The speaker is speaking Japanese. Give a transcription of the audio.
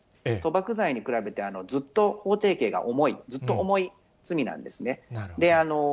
賭博罪に比べてずっと法定刑が重い、ずっと重い罪なんですね。